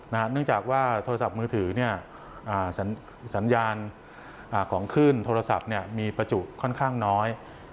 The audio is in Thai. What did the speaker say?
เนื่องจากว่าโทรศัพท์มือถือสัญญาณของขึ้นโทรศัพท์มีประจุค่อนข้างน้อย